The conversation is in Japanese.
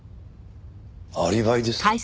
アリバイですか？